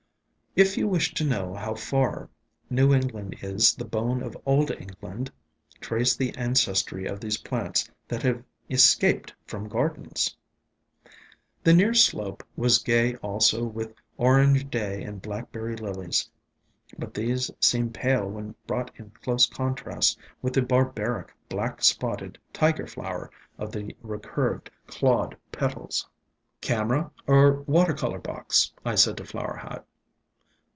If you wish to know how far New England is bone of Old England, trace the ancestry of these plants that have "escaped from gardens"! The near slope was gay also with Orange Day and Blackberry Lilies, but these seemed pale when brought into close contrast with the barbaric black spotted Tiger Flower of the recurved, clawed petals. "Camera or water color box?" I said to Flower Hat.